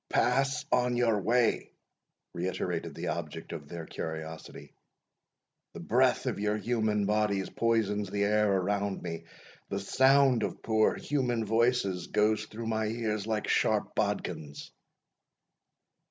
"Pass on your way," reiterated the object of their curiosity, "the breath of your human bodies poisons the air around me the sound of pour human voices goes through my ears like sharp bodkins."